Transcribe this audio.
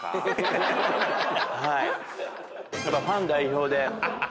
ファン代表で。